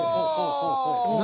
何？